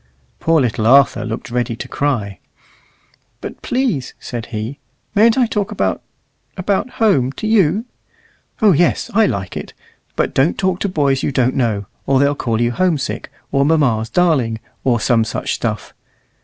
Poor little Arthur looked ready to cry. "But, please," said he, "mayn't I talk about about home to you?" "Oh yes; I like it. But don't talk to boys you don't know, or they'll call you home sick, or mamma's darling, or some such stuff.